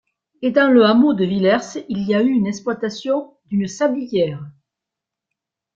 Et, dans le hameau de Villers, il y a eu exploitation d'une sablière.